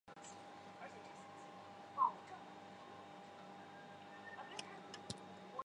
双塔及影壁成为黑龙江省文物保护单位。